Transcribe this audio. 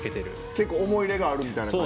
結構、思い入れがあるみたいな？